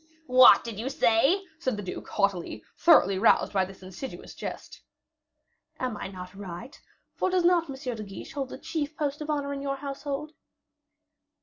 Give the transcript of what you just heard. "What did you say?" said the duke, haughtily, thoroughly roused by this insidious jest. "Am I not right? for does not M. de Guiche hold the chief post of honor in your household?"